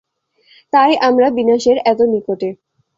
তাই আমরা বিনাশের এত নিকট।